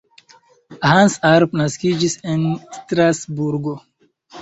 Hans Arp naskiĝis en Strasburgo.